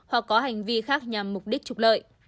hoặc có hành vi khác nhằm mục đích trục lợi